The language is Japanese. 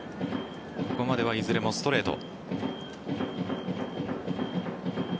ここまではいずれもストレート。